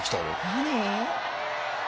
何？